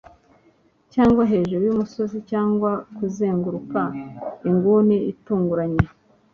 Cyangwa hejuru yumusozi cyangwa kuzenguruka inguni itunguranye